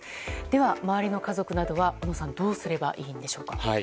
では、周りの家族などは小野さんどうすればいいんでしょうか。